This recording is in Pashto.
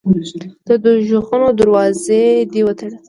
د دوږخونو دروازې دي وتړه.